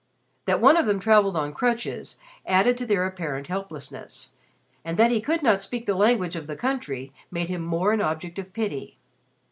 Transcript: That one of them traveled on crutches added to their apparent helplessness, and that he could not speak the language of the country made him more an object of pity.